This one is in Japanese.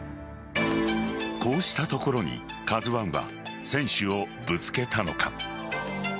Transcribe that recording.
こうした所に「ＫＡＺＵ１」は船首をぶつけたのか。